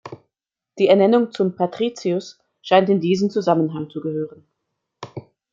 Die Ernennung zum "patricius" scheint in diesen Zusammenhang zu gehören.